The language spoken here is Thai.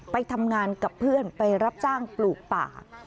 ไปทำงานกับเพื่อนไปรับจ้างปลูกป่า